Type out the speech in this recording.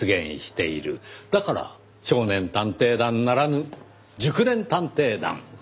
だから少年探偵団ならぬ熟年探偵団。